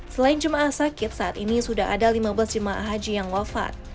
selain jemaah sakit saat ini sudah ada lima belas jemaah haji yang wafat